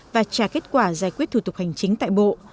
và trả kết quả giải quyết thủ tục hành chính tại bộ